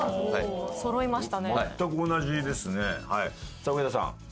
さあ上田さん。